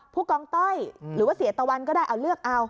ผู้กองต้อยหรือว่าเสียตะวันก็ได้เอาเลือกเอา